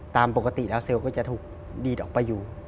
ตามปกติแล้วเซลล์ก็จะถูกดีดออกไปอยู่